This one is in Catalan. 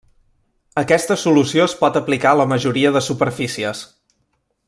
Aquesta solució es pot aplicar a la majoria de superfícies.